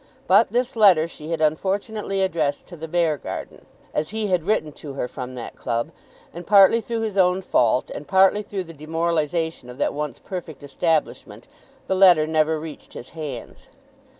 But this letter she had unfortunately addressed to the Beargarden, as he had written to her from that club; and partly through his own fault, and partly through the demoralisation of that once perfect establishment, the letter never reached his hands.